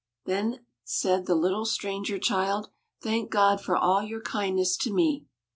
Then said the little stranger child: "Thank God for all your kindness to me!"